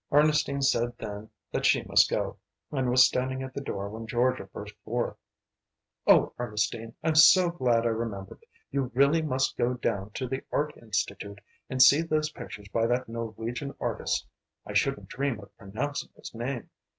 Ernestine said then that she must go, and was standing at the door when Georgia burst forth: "Oh Ernestine I'm so glad I remembered. You really must go down to the Art Institute and see those pictures by that Norwegian artist I shouldn't dream of pronouncing his name.